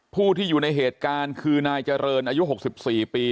ผู้ที่อยู่ในเหตุการณ์คือนายเจริญอายุ๖๔ปี